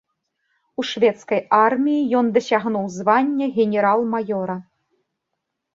У шведскай арміі ён дасягнуў звання генерал-маёра.